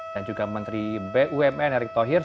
dan juga menteri bumn erick thohir